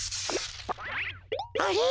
あれ！？